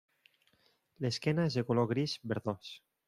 L'esquena és de color gris verdós.